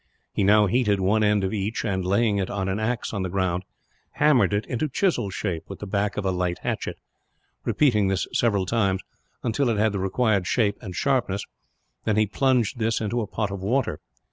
He now heated one end of each and, laying it on an axe on the ground, hammered it into chisel shape with the back of a light hatchet; repeating this several times, until it had the required shape and sharpness; then he plunged this into a pot of water.